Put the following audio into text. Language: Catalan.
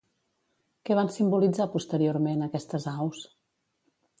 Què van simbolitzar posteriorment aquestes aus?